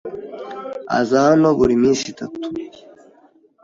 Aza hano buri minsi itatu.